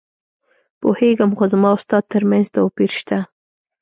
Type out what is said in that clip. پوهېږم، خو زما او ستا ترمنځ توپیر شته.